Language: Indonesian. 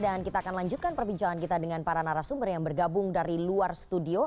dan kita akan lanjutkan perbincalan kita dengan para narasumber yang bergabung dari luar studio